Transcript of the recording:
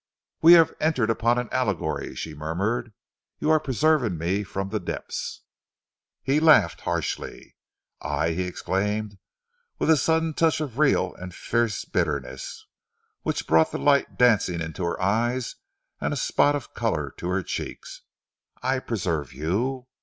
"We have entered upon an allegory," she murmured. "You are preserving me from the depths." He laughed harshly. "I!" he exclaimed, with a sudden touch of real and fierce bitterness which brought the light dancing into her eyes and a spot of colour to her cheeks. "I preserve you!